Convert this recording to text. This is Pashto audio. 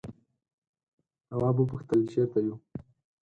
تواب وپوښتل چیرته یو.